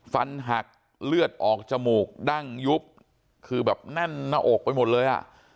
ฟันหักเลือดออกจมูกดั้งยุบคือแบบแน่นหน้าอกไปหมดเลยอ่ะ